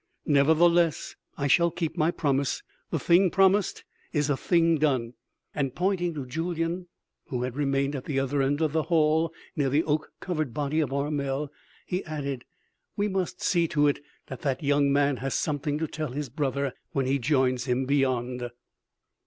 "Nevertheless, I shall keep my promise the thing promised is a thing done;" and pointing to Julyan who had remained at the other end of the hall near the oak covered body of Armel he added: "We must see to it that that young man has something to tell his brother when he joins him beyond."